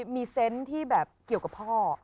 มีเซนต์ที่แบบเกี่ยวกับพ่อ